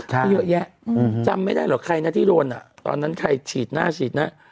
ก็เยอะแยะจำไม่ได้หรอกใครนะที่โดนอ่ะตอนนั้นใครฉีดหน้าฉีดหน้า